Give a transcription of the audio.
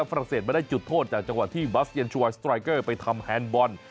ฝรัศมาได้จุดโทษจากจังหวะที่บัสเยนชวายสไตรเกอร์ไปทำแฮนด์บอล